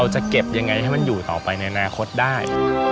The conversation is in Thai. ให้มันอยู่ต่อไปในอนาคตได้